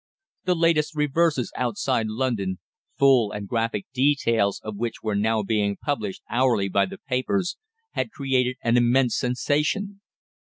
The latest reverses outside London, full and graphic details of which were now being published hourly by the papers, had created an immense sensation.